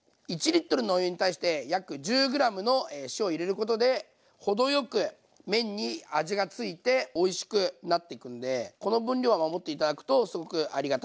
１のお湯に対して約１０ｇの塩を入れることで程よく麺に味がついておいしくなっていくんでこの分量を守って頂くとすごくありがたいかなと思います。